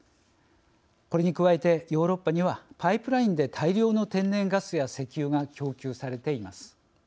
これに加えてヨーロッパにはパイプラインで大量の天然ガスや石油が供給されています。